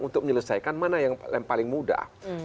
untuk menyelesaikan mana yang paling mudah